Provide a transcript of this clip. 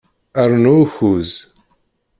Rnu ukuẓ.